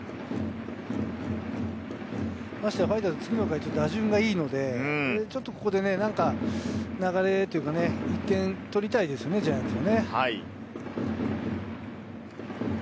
ましてやファイターズ、次の回は打順がいいので、ちょっとここでなんか流れというか、１点取りたいですね、ジャイアンツ。